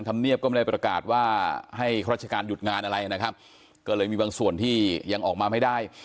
ธรรมเนียบก็ไม่ได้ประกาศว่าให้ราชการหยุดงานอะไรนะครับก็เลยมีบางส่วนที่ยังออกมาไม่ได้